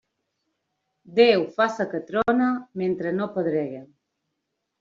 Déu faça que trone, mentre no pedregue.